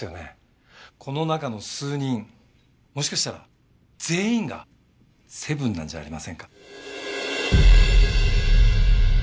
この中の数人もしかしたら全員がセブンなんじゃありませんか？